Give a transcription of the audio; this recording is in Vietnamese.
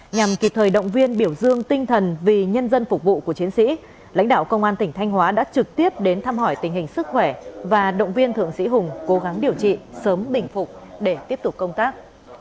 nhằm kịp thời động viên biểu dương tinh thần vì nhân dân phục vụ của chiến sĩ lãnh đạo công an tỉnh thanh hóa đã trực tiếp đến thăm hỏi tình hình sức khỏe và động viên thượng sĩ hùng cố gắng điều trị sớm bình phục để tiếp tục công tác